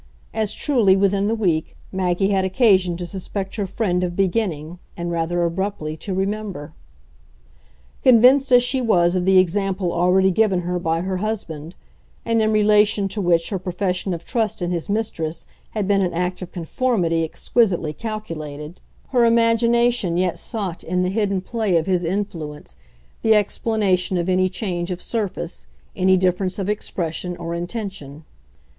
as truly, within the week, Maggie had occasion to suspect her friend of beginning, and rather abruptly, to remember. Convinced as she was of the example already given her by her husband, and in relation to which her profession of trust in his mistress had been an act of conformity exquisitely calculated, her imagination yet sought in the hidden play of his influence the explanation of any change of surface, any difference of expression or intention.